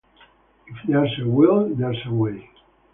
If there’s a will, there’s a way.